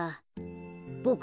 ボク